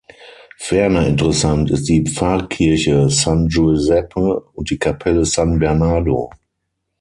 Ferner interessant ist die Pfarrkirche San Giuseppe und die Kapelle San Bernardo.